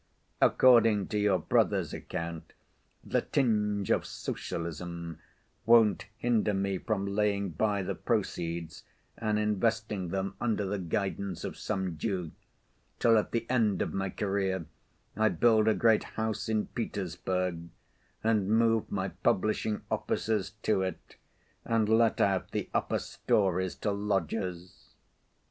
According to your brother's account, the tinge of socialism won't hinder me from laying by the proceeds and investing them under the guidance of some Jew, till at the end of my career I build a great house in Petersburg and move my publishing offices to it, and let out the upper stories to lodgers.